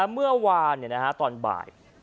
เมื่อวานตอนบ่าย